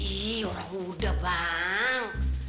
ih orang muda bang